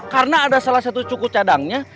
karena ada salah satu cukucadangnya